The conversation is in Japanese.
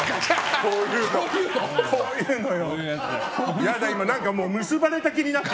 こういうのよ。